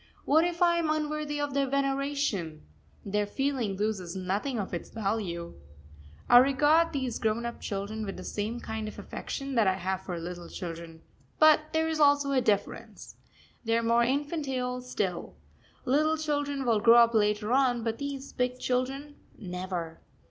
What if I am unworthy of their veneration their feeling loses nothing of its value. I regard these grown up children with the same kind of affection that I have for little children but there is also a difference. They are more infantile still. Little children will grow up later on, but these big children never.